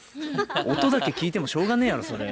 音だけ聴いてもしょうがないやろそれ。